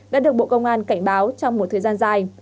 đã được bộ công an cảnh báo trong một thời gian dài